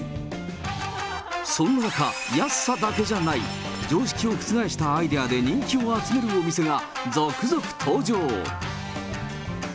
その中、安さだけじゃない、常識を覆したアイデアで人気を集めるお店が続々登場。